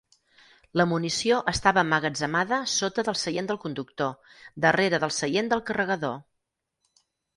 La munició estava emmagatzemada sota del seient del conductor, darrere del seient del carregador.